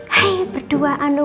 hai berdua anu